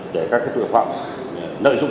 để các tội phạm nợ dụng